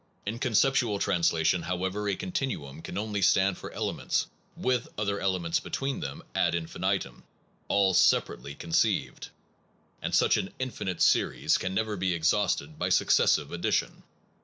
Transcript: In conceptual translation, however, a continuum can only stand for elements with other elements between them ad infinitum, all separately conceived; and such an infinite series can never be exhausted by successive addition.